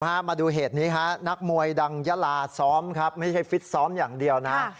มาดูเหตุนี้ฮะนักมวยดังยาลาซ้อมครับไม่ใช่ฟิตซ้อมอย่างเดียวนะ